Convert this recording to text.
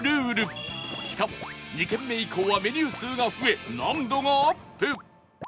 しかも２軒目以降はメニュー数が増え難度がアップ